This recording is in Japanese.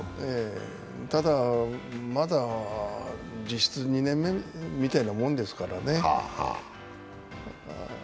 ええ、ただまだ実質２年目みたいなもんですからね